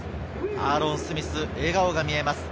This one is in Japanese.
アーロン・スミス、笑顔が見えます。